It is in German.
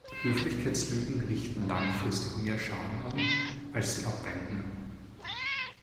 Höflichkeitslügen richten langfristig mehr Schaden an, als sie abwenden.